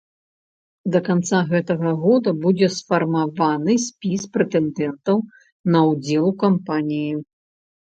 Да канца гэтага года будзе сфармаваны спіс прэтэндэнтаў на ўдзел у кампаніі.